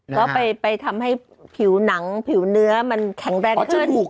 แล้วไปทำให้ผิวหนังผิวเนื้อมันแข็งแรงขึ้น